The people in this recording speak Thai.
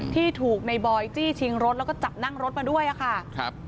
ที่ถูกในบอยจี้ชิงรถแล้วก็จับนั่งรถมาด้วยค่ะครับ